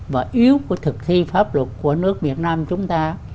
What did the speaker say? và yếu của thực thi pháp luật của nước việt nam chúng ta